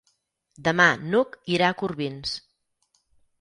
Demà n'Hug irà a Corbins.